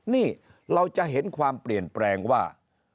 นี่เราจะเห็นความเปลี่ยนแปลงว่า